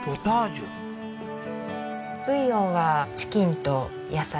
ブイヨンはチキンと野菜。